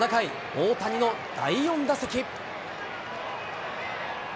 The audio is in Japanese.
大谷の第４打席。